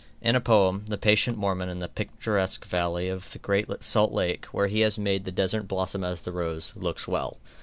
In a poem, the patient Mormon in the picturesque valley of the Great Salt Lake, where he has "made the desert blossom as the rose," looks well.